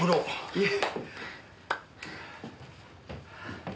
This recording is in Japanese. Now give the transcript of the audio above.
いえ。